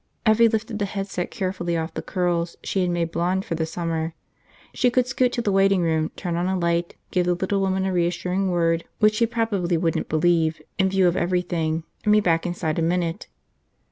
Evvie lifted the headset carefully off the curls she had made blond for the summer. She could scoot to the waiting room, turn on a light, give the little woman a reassuring word which she probably wouldn't believe, in view of everything, and be back inside a minute.